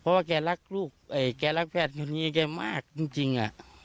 เพราะว่าแกรักแพทย์คนนี้แกมากจริง